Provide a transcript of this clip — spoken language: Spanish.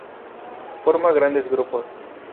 Forma grandes grupos.